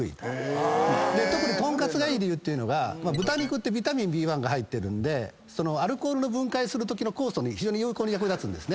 特にトンカツがいい理由が豚肉ってビタミンＢ１が入ってるんでアルコールを分解するときの酵素に非常に有効に役立つんですね。